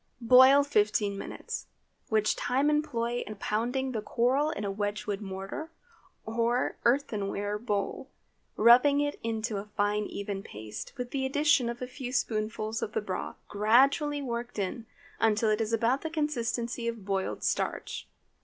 Boil fifteen minutes, which time employ in pounding the coral in a Wedgewood mortar, or earthenware bowl, rubbing it into a fine, even paste, with the addition of a few spoonfuls of the broth, gradually worked in until it is about the consistency of boiled starch.